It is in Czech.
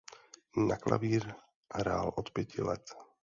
Na klavír hrál od pěti let.